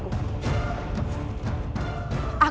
aku akan melawan